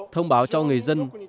thông báo cho người dân